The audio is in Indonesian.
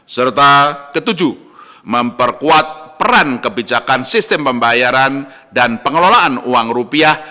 serta ketujuh memperkuat peran kebijakan sistem pembayaran dan pengelolaan uang rupiah